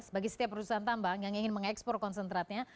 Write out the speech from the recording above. bagi setiap perusahaan tambang yang ingin mengekspor konsentratnya